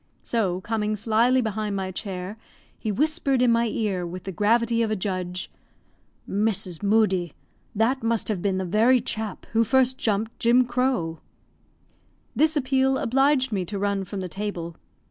So, coming slyly behind my chair, he whispered in my ear, with the gravity of a judge, "Mrs. Moodie, that must have been the very chap who first jumped Jim Crowe." This appeal obliged me to run from the table.